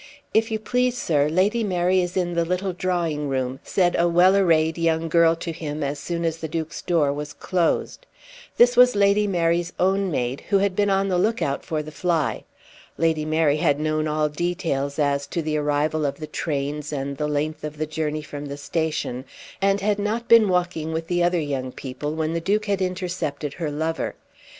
"If you please, sir, Lady Mary is in the little drawing room," said a well arrayed young girl to him as soon as the Duke's door was closed. This was Lady Mary's own maid who had been on the look out for the fly. Lady Mary had known all details, as to the arrival of the trains and the length of the journey from the station, and had not been walking with the other young people when the Duke had intercepted her lover.